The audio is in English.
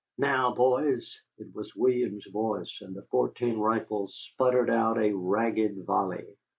"Now, boys!" It was Williams's voice, and fourteen rifles sputtered out a ragged volley.